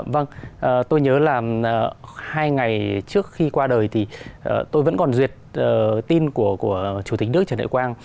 vâng tôi nhớ là hai ngày trước khi qua đời thì tôi vẫn còn duyệt tin của chủ tịch nước trần đại quang